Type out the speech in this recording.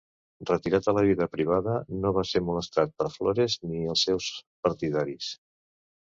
Retirat a la vida privada, no va ser molestat per Flores ni els seus partidaris.